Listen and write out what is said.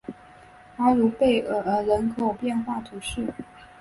拉卢贝尔人口变化图示